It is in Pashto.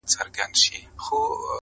• بېګانه به ورته ټول خپل او پردي سي..